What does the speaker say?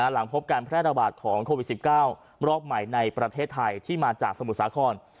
หลังพบการแพร่ระบาดของโควิด๑๙รอบใหม่ในประเทศไทยที่มาจากสมุทรสาคร